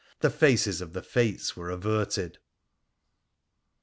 The faces of the Fates were averted.